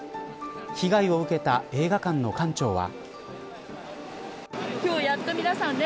被害を受けた映画館の館長は。